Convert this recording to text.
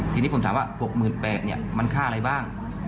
ทีนี้ผมถามว่า๖๘๐๐บาทมันค่าอะไรบ้าง